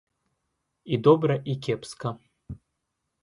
І добра, і кепска.